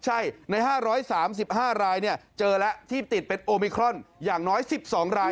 ใช่ใน๕๓๕รายเจอแล้วที่ติดเป็นโอมิครอนอย่างน้อย๑๒ราย